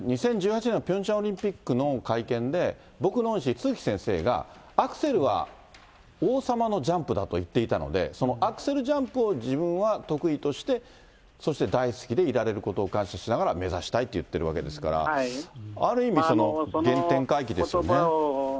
これ、２０１８年のピョンチャンオリンピックの会見で、僕の恩師、都築先生が、アクセルは、王様のジャンプだと言っていたので、そのアクセルジャンプを自分は得意として、そして大好きでいられることを感謝しながら目指したいって言ってるわけですから、ある意味、原点回帰ですよね。